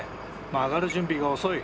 曲がる準備が遅い。